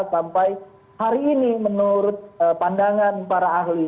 sampai hari ini menurut pandangan para ahli